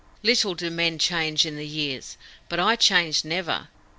Little do men change in the years. But I change never!